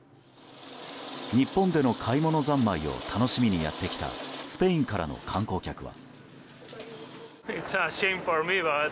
日本での買い物三昧を楽しみにやってきたスペインからの観光客は。